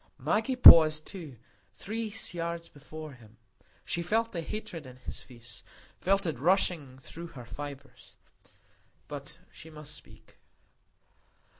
Maggie paused too, three yards before him. She felt the hatred in his face, felt it rushing through her fibres; but she must speak.